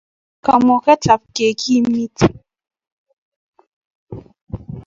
Kamuket ab kekimit kukelchin